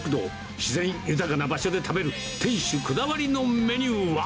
自然豊かな場所で食べる店主こだわりのメニューは。